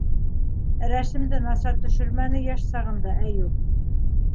Рәсемде насар төшөрмәне йәш сағында Әйүп.